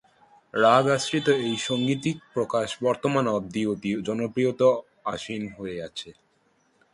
রাগ আশ্রিত এই সাঙ্গীতিক প্রকাশ বর্তমান অব্দি অতি জনপ্রিয়তায় আসীন হয়ে আছে।